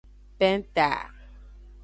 Penta.